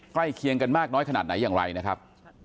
เคียงกันมากน้อยขนาดไหนอย่างไรนะครับ